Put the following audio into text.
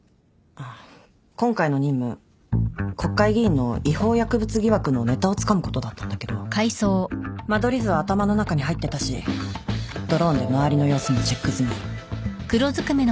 今回の任務国会議員の違法薬物疑惑のネタをつかむことだったんだけど間取り図は頭の中に入ってたしドローンで周りの様子もチェック済み。